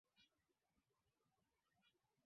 Kilomita themanini za kwanza za mto